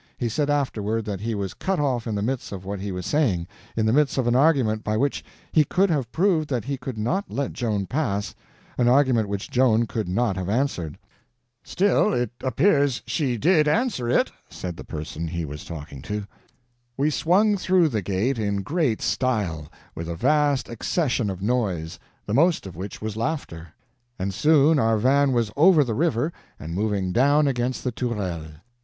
He said afterward that he was cut off in the midst of what he was saying—in the midst of an argument by which he could have proved that he could not let Joan pass—an argument which Joan could not have answered. "Still, it appears she did answer it," said the person he was talking to. We swung through the gate in great style, with a vast accession of noise, the most of which was laughter, and soon our van was over the river and moving down against the Tourelles.